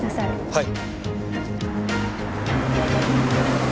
はい。